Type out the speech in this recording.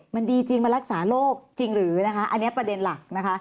มันดีจริงมันรักษาโรคจริงหรือนะคะอันนี้ประเด็นหลักนะคะ